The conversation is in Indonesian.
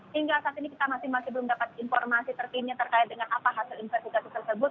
hingga saat ini kita masih belum dapat informasi terkini terkait dengan apa hasil investigasi tersebut